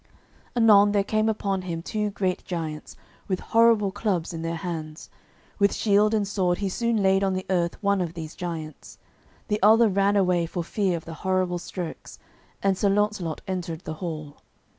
Anon there came upon him two great giants, with horrible clubs in their hands. With shield and sword he soon laid on the earth one of these giants. The other ran away for fear of the horrible strokes, and Sir Launcelot entered the hall.